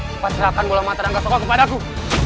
cepat serahkan bola mata ranggasoka kepada aku